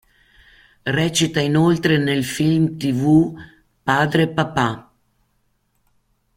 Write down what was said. Recita inoltre nel Film-Tv "Padre papà".